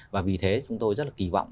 và vì thế chúng tôi rất là kì vọng